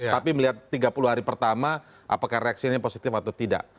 tapi melihat tiga puluh hari pertama apakah reaksinya positif atau tidak